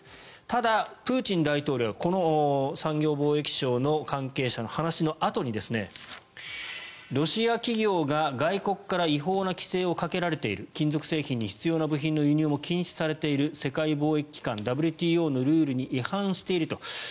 ただ、プーチン大統領はこの産業貿易省の関係者の話のあとにロシア企業が外国から違法な規制をかけられている金属製品に必要な部品の輸入も禁止されている世界貿易機関・ＷＴＯのルールに違反していると。